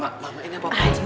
mak mak ini apaan sih